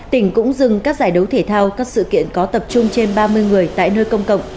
tỉnh cũng dừng các giải đấu thể thao các sự kiện có tập trung trên ba mươi người tại nơi công cộng